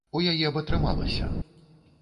У яе б атрымалася.